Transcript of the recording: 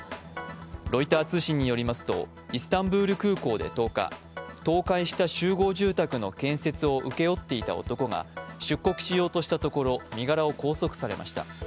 ロイター通信によりますと、イスタンブール空港で１０日、倒壊した集合住宅の建設を請け負っていた男が出国しようとしたところ身柄を拘束されました。